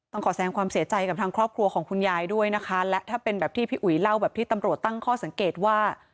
ขอแสงความเสียใจกับทางครอบครัวของคุณยายด้วยนะคะและถ้าเป็นแบบที่พี่อุ๋ยเล่าแบบที่ตำรวจตั้งข้อสังเกตว่า